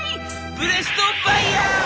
ブレストファイヤー！」。